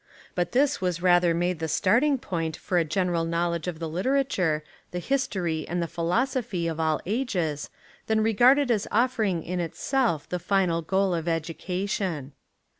But this was rather made the start ing point for a general knowledge of the liter ature, the history and the philosophy of all ages than regarded as offering in itself the final goal of education.